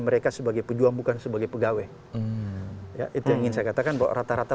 mereka sebagai pejuang bukan sebagai pegawai ya itu yang ingin saya katakan bahwa rata rata